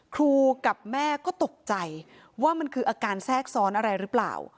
กับแม่ก็ตกใจว่ามันคืออาการแทรกซ้อนอะไรหรือเปล่า